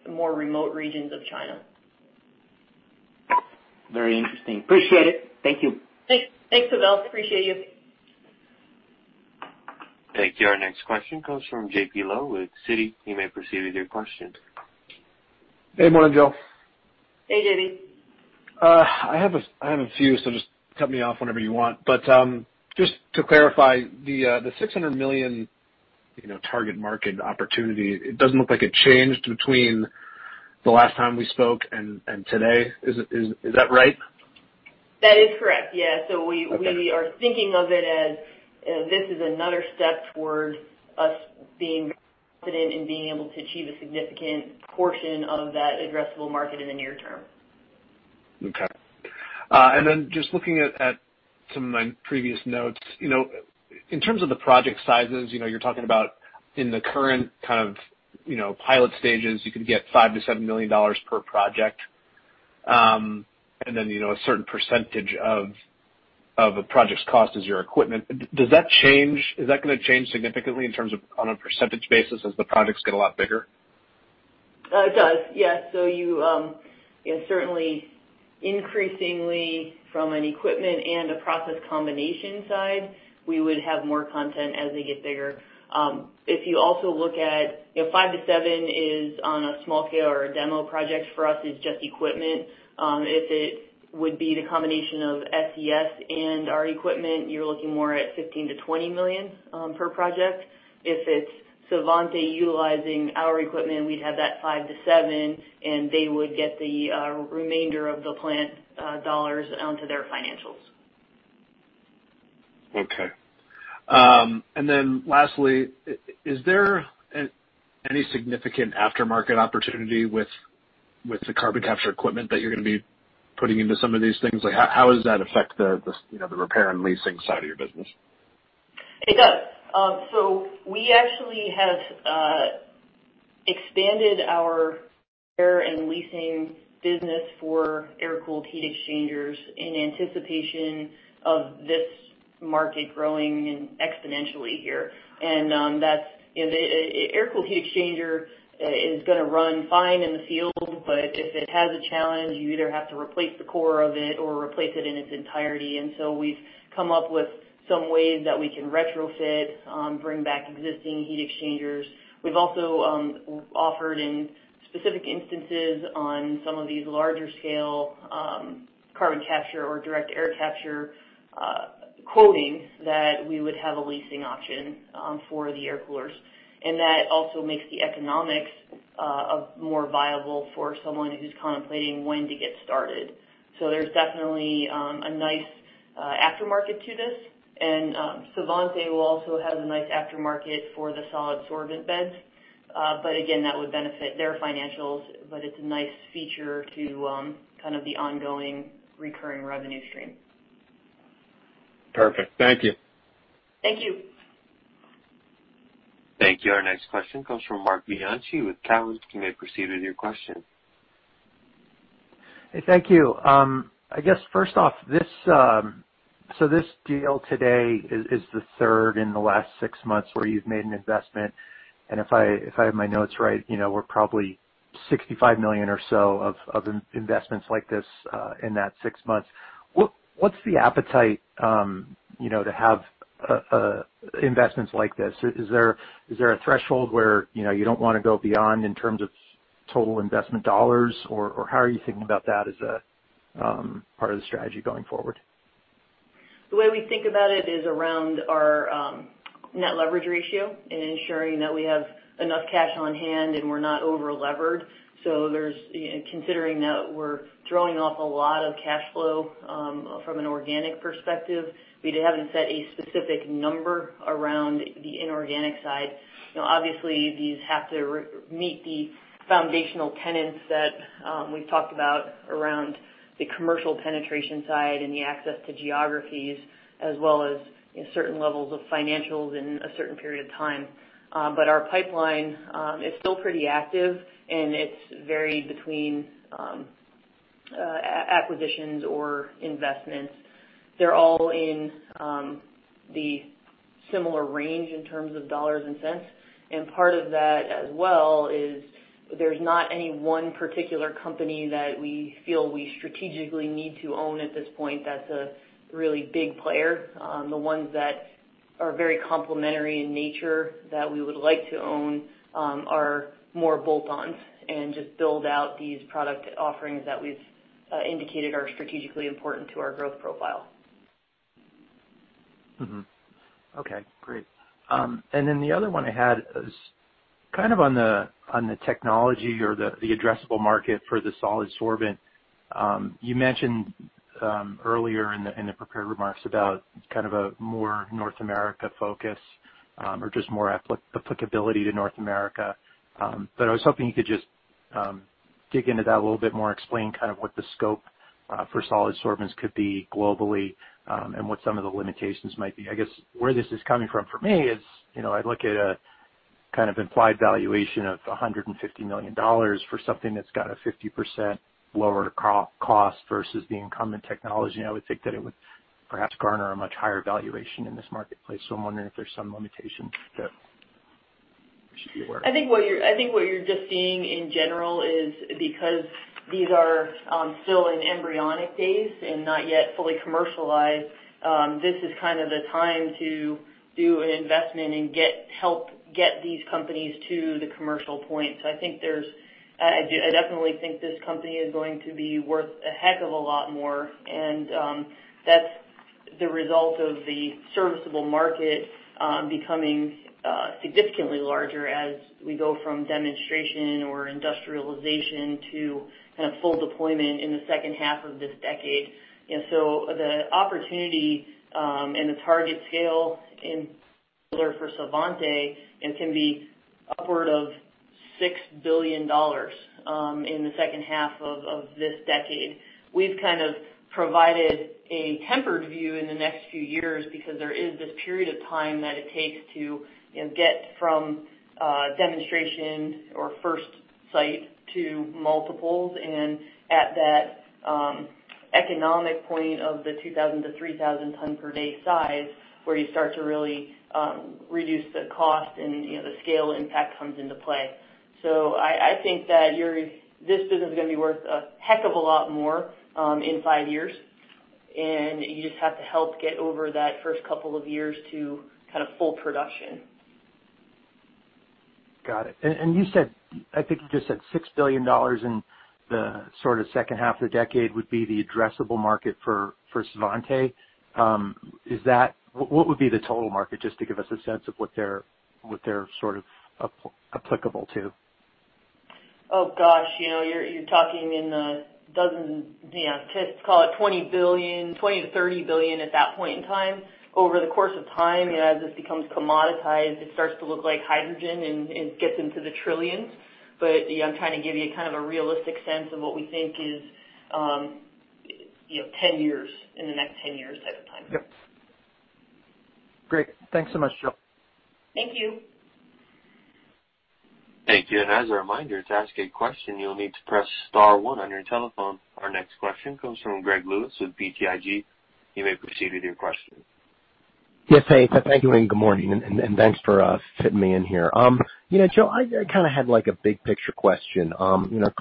more remote regions of China. Very interesting. Appreciate it. Thank you. Thanks, Pavel. Appreciate you. Thank you. Our next question comes from J.B. Lowe with Citi. You may proceed with your question. Hey. Morning, Joe. Hey, J.B. I have a few, so just cut me off whenever you want. But just to clarify, the $600 million target market opportunity, it doesn't look like it changed between the last time we spoke and today. Is that right? That is correct. Yeah. So we are thinking of it as this is another step toward us being confident in being able to achieve a significant portion of that addressable market in the near term. Okay. And then just looking at some of my previous notes, in terms of the project sizes, you're talking about in the current kind of pilot stages, you could get $5-$7 million per project, and then a certain percentage of a project's cost is your equipment. Does that change? Is that going to change significantly in terms of on a percentage basis as the projects get a lot bigger? It does. Yes. So certainly, increasingly from an equipment and a process combination side, we would have more content as they get bigger. If you also look at five to seven, it's on a small scale or a demo project for us; it's just equipment. If it would be the combination of SES and our equipment, you're looking more at $15-20$ million per project. If it's Svante utilizing our equipment, we'd have that five to seven, and they would get the remainder of the plant dollars onto their financials. Okay. And then lastly, is there any significant aftermarket opportunity with the carbon capture equipment that you're going to be putting into some of these things? How does that affect the repair and leasing side of your business? It does. So we actually have expanded our repair and leasing business for air-cooled heat exchangers in anticipation of this market growing exponentially here. An air-cooled heat exchanger is going to run fine in the field, but if it has a challenge, you either have to replace the core of it or replace it in its entirety. And so we've come up with some ways that we can retrofit, bring back existing heat exchangers. We've also offered in specific instances on some of these larger scale carbon capture or direct air capture quoting that we would have a leasing option for the air coolers. And that also makes the economics more viable for someone who's contemplating when to get started. So there's definitely a nice aftermarket to this. And Svante will also have a nice aftermarket for the solid sorbent beds. But again, that would benefit their financials, but it's a nice feature to kind of the ongoing recurring revenue stream. Perfect. Thank you. Thank you. Thank you. Our next question comes from Marc Bianchi with Cowen. You may proceed with your question. Hey, thank you. I guess first off, so this deal today is the third in the last six months where you've made an investment. And if I have my notes right, we're probably $65 million or so of investments like this in that six months. What's the appetite to have investments like this? Is there a threshold where you don't want to go beyond in terms of total investment dollars, or how are you thinking about that as a part of the strategy going forward? The way we think about it is around our net leverage ratio and ensuring that we have enough cash on hand and we're not over-levered. So considering that we're throwing off a lot of cash flow from an organic perspective, we haven't set a specific number around the inorganic side. Obviously, these have to meet the foundational tenets that we've talked about around the commercial penetration side and the access to geographies, as well as certain levels of financials in a certain period of time. But our pipeline is still pretty active, and it's varied between acquisitions or investments. They're all in the similar range in terms of dollars and cents. And part of that as well is there's not any one particular company that we feel we strategically need to own at this point that's a really big player. The ones that are very complementary in nature that we would like to own are more bolt-ons and just build out these product offerings that we've indicated are strategically important to our growth profile. Okay. Great. And then the other one I had is kind of on the technology or the addressable market for the solid sorbent. You mentioned earlier in the prepared remarks about kind of a more North America focus or just more applicability to North America. But I was hoping you could just dig into that a little bit more, explain kind of what the scope for solid sorbents could be globally and what some of the limitations might be. I guess where this is coming from for me is I look at a kind of implied valuation of $150 million for something that's got a 50% lower cost versus the incumbent technology. I would think that it would perhaps garner a much higher valuation in this marketplace. So I'm wondering if there's some limitations that we should be aware of? I think what you're just seeing in general is because these are still in embryonic days and not yet fully commercialized, this is kind of the time to do an investment and help get these companies to the commercial point. So I think there's, I definitely think this company is going to be worth a heck of a lot more. And that's the result of the serviceable market becoming significantly larger as we go from demonstration or industrialization to kind of full deployment in the second half of this decade. So the opportunity and the target scale for Svante can be upward of $6 billion in the second half of this decade. We've kind of provided a tempered view in the next few years because there is this period of time that it takes to get from demonstration or first site to multiples. At that economic point of the 2,000-3,000 ton per day size, where you start to really reduce the cost and the scale impact comes into play. So I think that this business is going to be worth a heck of a lot more in five years. You just have to help get over that first couple of years to kind of full production. Got it. I think you just said $6 billion in the sort of second half of the decade would be the addressable market for Svante. What would be the total market just to give us a sense of what they're sort of applicable to? Oh, gosh. You're talking in the dozens, call it $20 billion, $20-$30 billion at that point in time. Over the course of time, as this becomes commoditized, it starts to look like hydrogen and it gets into the trillions. But I'm trying to give you kind of a realistic sense of what we think is 10 years, in the next 10 years type of time. Yep. Great. Thanks so much, Joe. Thank you. Thank you. And as a reminder, to ask a question, you'll need to press star one on your telephone. Our next question comes from Greg Lewis with BTIG. You may proceed with your question. Yes, hey. Thank you and good morning. And thanks for fitting me in here. Joe, I kind of had a big picture question.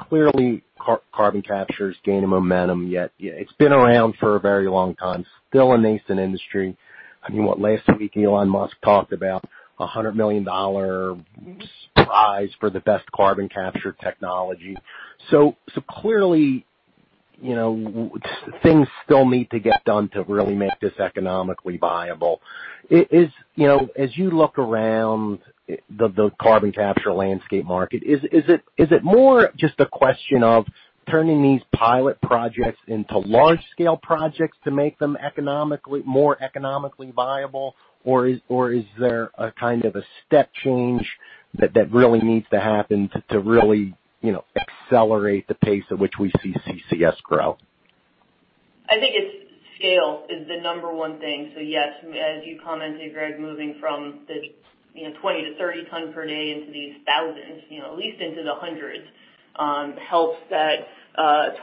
Clearly, carbon capture is gaining momentum, yet it's been around for a very long time, still a nascent industry. I mean, what, last week Elon Musk talked about a $100 million prize for the best carbon capture technology. So clearly, things still need to get done to really make this economically viable. As you look around the carbon capture landscape market, is it more just a question of turning these pilot projects into large scale projects to make them more economically viable, or is there a kind of a step change that really needs to happen to really accelerate the pace at which we see CCS grow? I think scale is the number one thing. So yes, as you commented, Greg, moving from the 20-30 ton per day into these thousands, at least into the hundreds, helps that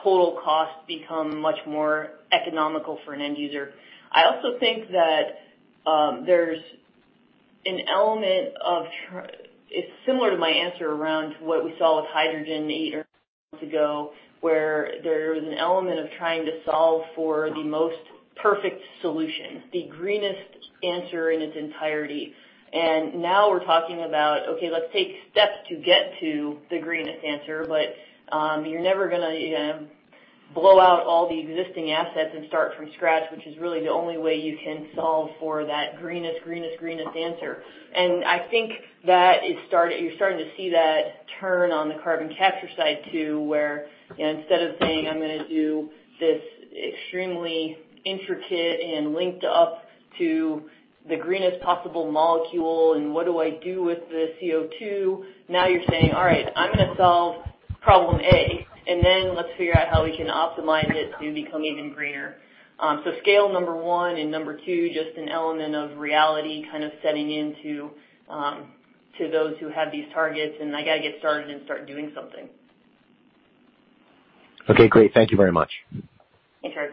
total cost become much more economical for an end user. I also think that there's an element of, it's similar to my answer around what we saw with hydrogen eight or so months ago, where there was an element of trying to solve for the most perfect solution, the greenest answer in its entirety, and now we're talking about, okay, let's take steps to get to the greenest answer, but you're never going to blow out all the existing assets and start from scratch, which is really the only way you can solve for that greenest, greenest, greenest answer. and I think that you're starting to see that turn on the carbon capture side too, where instead of saying, "I'm going to do this extremely intricate and linked up to the greenest possible molecule, and what do I do with the CO2?" Now you're saying, "All right, I'm going to solve problem A, and then let's figure out how we can optimize it to become even greener." So scale number one and number two, just an element of reality kind of setting in to those who have these targets, and I got to get started and start doing something. Okay. Great. Thank you very much. Thanks, Greg.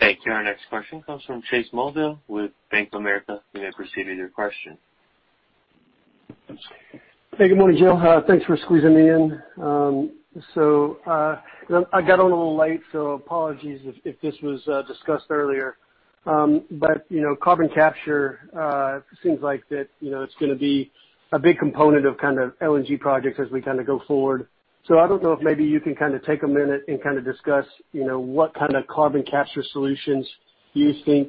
Thank you. Our next question comes from Chase Mulvehill with Bank of America. You may proceed with your question. Hey, good morning, Joe. Thanks for squeezing me in. So I got on a little late, so apologies if this was discussed earlier. But carbon capture seems like it's going to be a big component of kind of LNG projects as we kind of go forward. So I don't know if maybe you can kind of take a minute and kind of discuss what kind of carbon capture solutions you think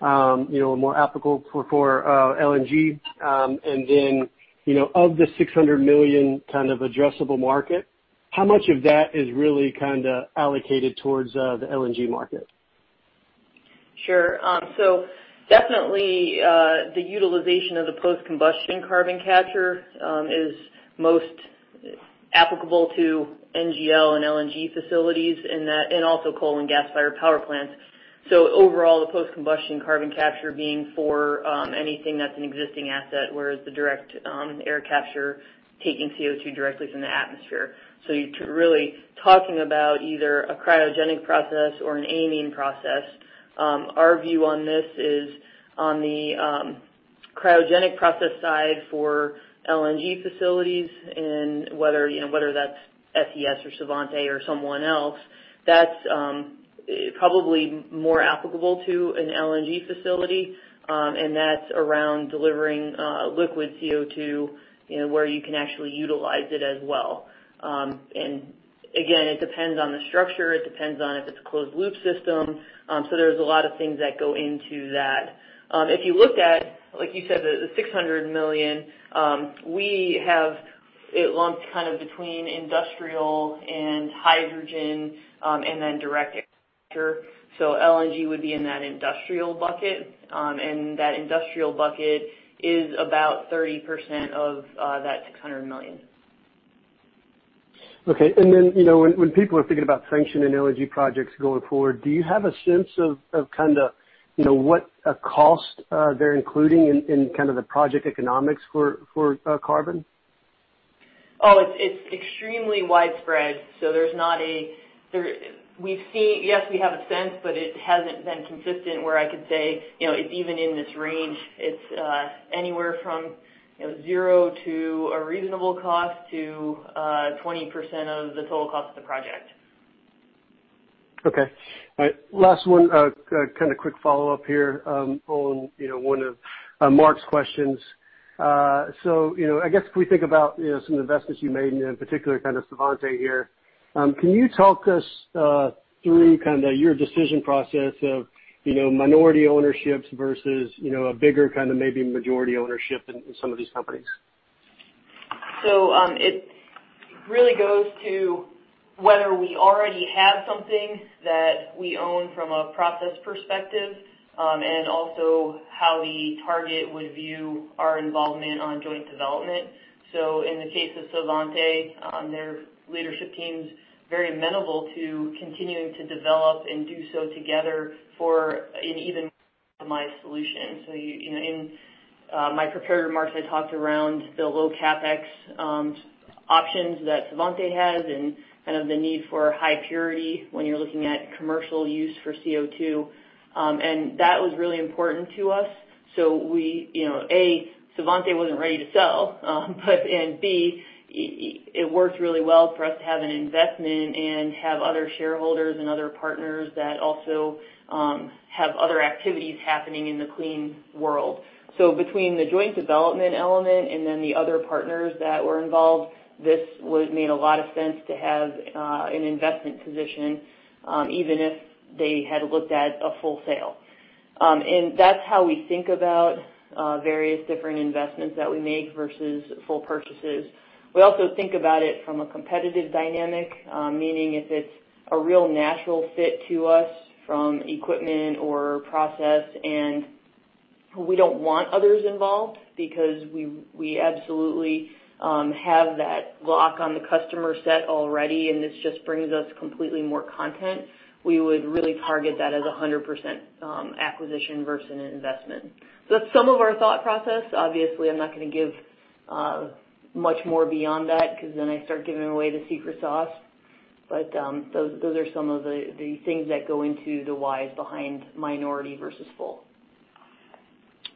are more applicable for LNG. And then of the $600 million kind of addressable market, how much of that is really kind of allocated towards the LNG market? Sure. So definitely the utilization of the post-combustion carbon capture is most applicable to NGL and LNG facilities and also coal and gas fired power plants. So overall, the post-combustion carbon capture being for anything that's an existing asset, whereas the direct air capture taking CO2 directly from the atmosphere. So really talking about either a cryogenic process or an amine process, our view on this is on the cryogenic process side for LNG facilities, and whether that's SES or Svante or someone else, that's probably more applicable to an LNG facility. And that's around delivering liquid CO2 where you can actually utilize it as well. And again, it depends on the structure. It depends on if it's a closed loop system. So there's a lot of things that go into that. If you looked at, like you said, the $600 million, we have it lumped kind of between industrial and hydrogen and then direct air capture. So LNG would be in that industrial bucket. And that industrial bucket is about 30% of that $600 million. Okay. And then when people are thinking about sanctioning LNG projects going forward, do you have a sense of kind of what a cost they're including in kind of the project economics for carbon? Oh, it's extremely widespread. So there's not a we've seen, yes, we have a sense, but it hasn't been consistent where I could say it's even in this range. It's anywhere from zero to a reasonable cost to 20% of the total cost of the project. Okay. Last one, kind of quick follow-up here on one of Marc's questions. So I guess if we think about some investments you made in particular, kind of Svante here, can you talk us through kind of your decision process of minority ownerships versus a bigger kind of maybe majority ownership in some of these companies? So it really goes to whether we already have something that we own from a process perspective and also how the target would view our involvement on joint development. So in the case of Svante, their leadership team's very amenable to continuing to develop and do so together for an even optimized solution. So in my prepared remarks, I talked around the low CapEx options that Svante has and kind of the need for high purity when you're looking at commercial use for CO2. And that was really important to us. So A, Svante wasn't ready to sell. And B, it worked really well for us to have an investment and have other shareholders and other partners that also have other activities happening in the clean world. So between the joint development element and then the other partners that were involved, this made a lot of sense to have an investment position, even if they had looked at a full sale. And that's how we think about various different investments that we make versus full purchases. We also think about it from a competitive dynamic, meaning if it's a real natural fit to us from equipment or process, and we don't want others involved because we absolutely have that lock on the customer set already, and this just brings us completely more content, we would really target that as a 100% acquisition versus an investment. So that's some of our thought process. Obviously, I'm not going to give much more beyond that because then I start giving away the secret sauce. But those are some of the things that go into the whys behind minority versus full.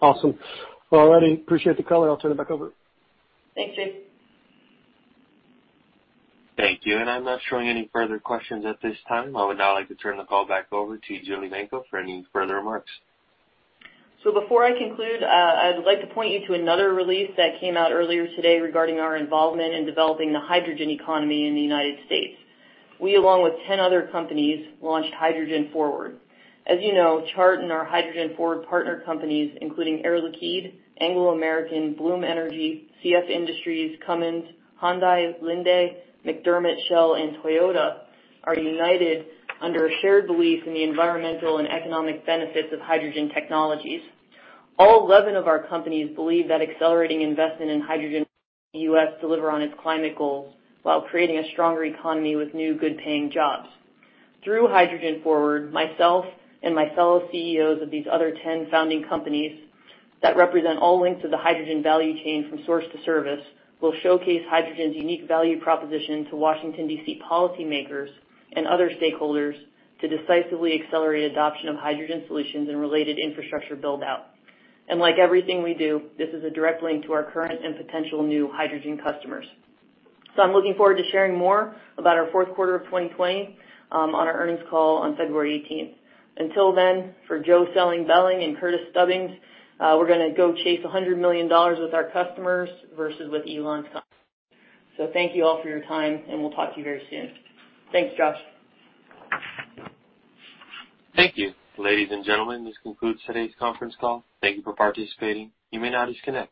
Awesome. All righty. Appreciate the call. I'll turn it back over. Thanks, Chase. Thank you, and I'm not showing any further questions at this time. I would now like to turn the call back over to Jillian Evanko for any further remarks, so before I conclude, I'd like to point you to another release that came out earlier today regarding our involvement in developing the hydrogen economy in the United States. We, along with 10 other companies, launched Hydrogen Forward. As you know, Chart and our Hydrogen Forward partner companies, including Air Liquide, Anglo American, Bloom Energy, CF Industries, Cummins, Hyundai, Linde, McDermott, Shell, and Toyota, are united under a shared belief in the environmental and economic benefits of hydrogen technologies. All 11 of our companies believe that accelerating investment in hydrogen in the US delivers on its climate goals while creating a stronger economy with new good-paying jobs. Through Hydrogen Forward, myself and my fellow CEOs of these other 10 founding companies that represent all links of the hydrogen value chain from source to service will showcase hydrogen's unique value proposition to Washington, DC policymakers and other stakeholders to decisively accelerate adoption of hydrogen solutions and related infrastructure build-out. And like everything we do, this is a direct link to our current and potential new hydrogen customers. So I'm looking forward to sharing more about our fourth quarter of 2020 on our earnings call on February 18th. Until then, for Joe Belling and Curtis Stubbings, we're going to go chase $100 million with our customers versus with Elon's company. So thank you all for your time, and we'll talk to you very soon. Thanks, Josh. Thank you. Ladies and gentlemen, this concludes today's conference call. Thank you for participating. You may now disconnect.